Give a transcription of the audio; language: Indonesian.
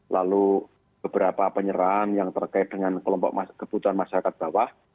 lalu beberapa penyerahan yang terkait dengan kelompok kebutuhan masyarakat bawah